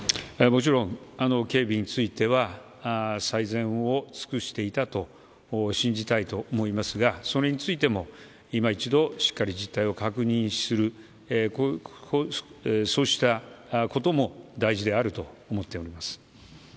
もちろん警備については最善を尽くしていたと信じたいと思いますがそれについても今一度しっかり実態を確認するそうしたことも大事であると思っております。